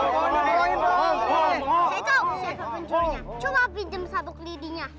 saya tau siapa pencurinya coba pinjem sabuk lidinya